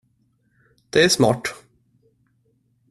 Det är smart.